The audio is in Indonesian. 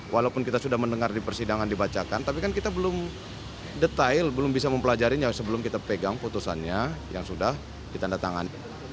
walaupun kita sudah mendengar di persidangan dibacakan tapi kan kita belum detail belum bisa mempelajarinya sebelum kita pegang putusannya yang sudah ditandatangani